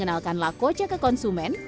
mengenalkan lah ocha ke konsumen